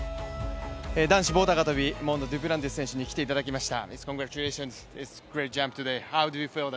男子棒高跳、デュプランティス選手に来ていただきました。